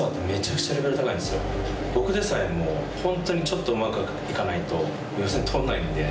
僕でさえも本当にちょっとうまくいかないと予選通らないんで。